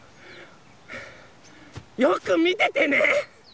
よくみててね！